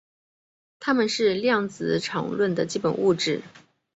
它们是量子场论的基本物质。